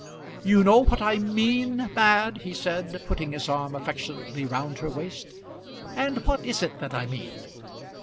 "You know what I mean, Mad?" he said, putting his arm affectionately round her waist. "And what is it that I mean?